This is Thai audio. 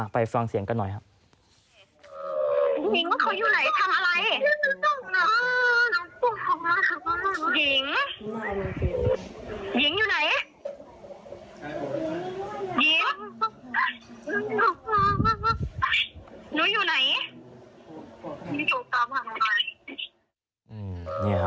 ไปฟังเสียงกันหน่อย